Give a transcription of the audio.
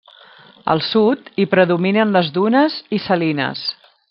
Al sud, hi predominen les dunes i salines.